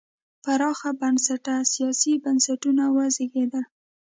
پراخ بنسټه سیاسي بنسټونه وزېږېدل.